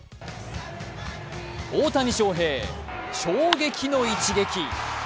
大谷翔平、衝撃の一撃。